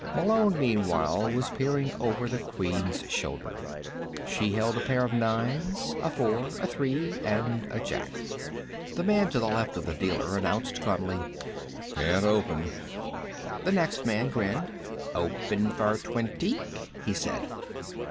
Malone, meanwhile, was peering over the Queen's shoulder. She held a pair of nines, a four, a three and a Jack. The man to the left of the dealer announced glumly: "Can't open." The next man grinned. "Open for twenty," he said.